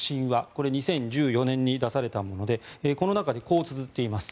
これは２０１４年に出されたものでこの中でこうつづっています。